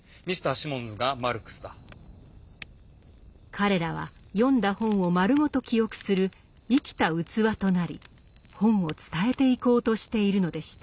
彼らは読んだ本を丸ごと記憶する生きた器となり本を伝えていこうとしているのでした。